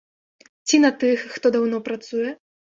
Ці на тых, хто даўно працуе?